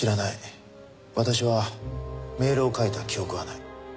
私はメールを書いた記憶はない。